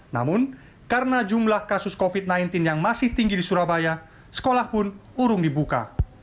namun karena jumlah kasus covid sembilan belas yang masih tinggi di surabaya sekolah pun urung dibuka